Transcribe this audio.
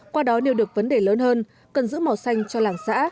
qua đó nêu được vấn đề lớn hơn cần giữ màu xanh cho làng xã